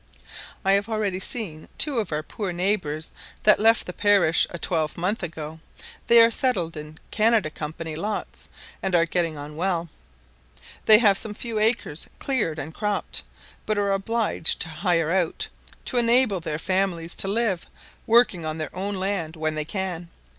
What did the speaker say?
I have already seen two of our poor neighbours that left the parish a twelvemonth ago; they are settled in Canada Company lots, and are getting on well. They have some few acres cleared and cropped, but are obliged to "hire out", to enable their families to live, working on their own land when they can.